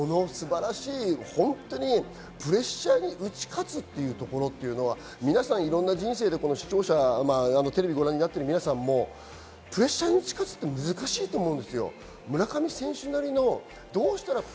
プレッシャーに打ち勝つっていうところは、皆さん、いろんな人生でテレビをご覧になっているみなさんもプレッシャーに打ち勝つって難しいと思います。